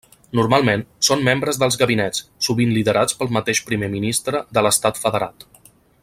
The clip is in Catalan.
Normalment, són membres dels gabinets, sovint liderats pel mateix primer ministre de l'estat federat.